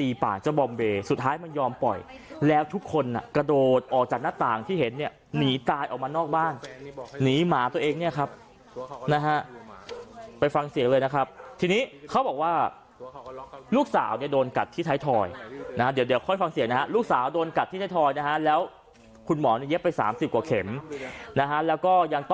ตีปากเจ้าบอมเบย์สุดท้ายมันยอมปล่อยแล้วทุกคนน่ะกระโดดออกจากหน้าต่างที่เห็นเนี่ยหนีตายออกมานอกบ้านหนีหมาตัวเองเนี่ยครับนะฮะไปฟังเสียงเลยนะครับทีนี้เขาบอกว่าลูกสาวเนี่ยโดนกัดที่ไทยทอยนะเดี๋ยวเดี๋ยวค่อยฟังเสียงนะฮะลูกสาวโดนกัดที่ไทยทอยนะฮะแล้วคุณหมอเนี่ยเย็บไปสามสิบกว่าเข็มนะฮะแล้วก็ยังต